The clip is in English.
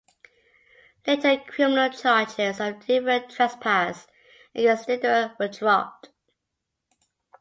Later criminal charges of "defiant trespass" against Niederer were dropped.